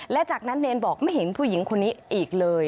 และจากนั้นเนรบอกไม่เห็นผู้หญิงคนนี้อีกเลย